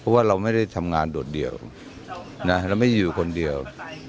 เพราะว่าเราไม่ได้ทำงานโดดเดี่ยวนะเราไม่ได้อยู่คนเดียว